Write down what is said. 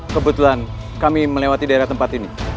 kebetulan kami melewati daerah tempat ini